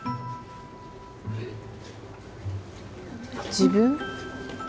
自分？